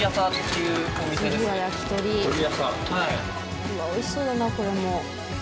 うわっ美味しそうだなこれも。